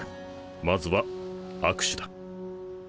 まずは握手だ。